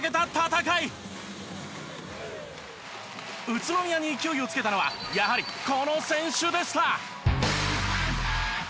宇都宮に勢いをつけたのはやはりこの選手でした！